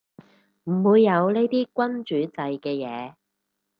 唔會有呢啲君主制嘅嘢